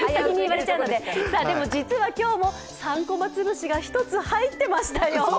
でも実は今日も「３コマ」潰しが１つ入ってましたよ。